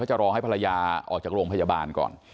จะรอให้ภรรยาออกจากโรงพยาบาลก่อน